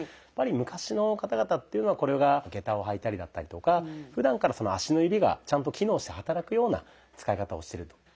やっぱり昔の方々っていうのはこれが下駄を履いたりだったりとかふだんから足の指がちゃんと機能して働くような使い方をしてると。